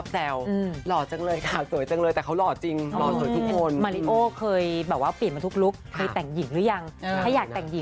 แต่ว่ายังหล่ออยู่นะคะ